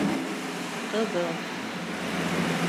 — Ҡыҙыл.